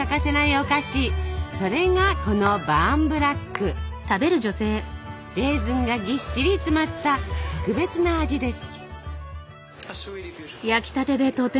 お菓子それがこのレーズンがぎっしり詰まった特別な味です。